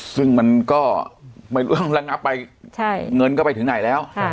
ซึ่งมันก็ไม่รู้ลังงับไปใช่เงินก็ไปถึงไหนแล้วอ่า